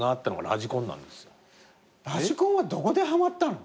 ラジコンはどこではまったの？